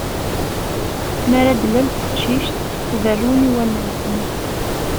Mi ara d-tlal d teqcict, berrun i wallen-nsen.